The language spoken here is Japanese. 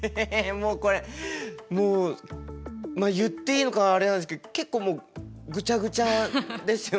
もうこれもう言っていいのかあれなんですけど結構もうぐちゃぐちゃですよね。